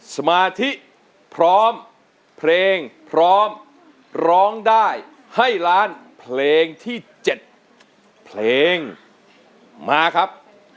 สมาธิพร้อมเพลงพร้อมร้องได้ให้ล้านเพลงที่๗เพลงมาครับ